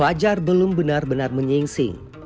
fajar belum benar benar menyingsing